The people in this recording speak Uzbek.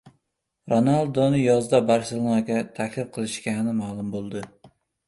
Ronalduni yozda "Barselona"ga taklif qilishgani ma’lum bo‘ldi